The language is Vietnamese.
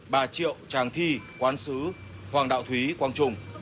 bà triệu tràng thi quán sứ hoàng đạo thúy quang trung